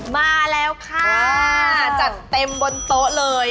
มาแล้วค่ะจัดเต็มบนโต๊ะเลย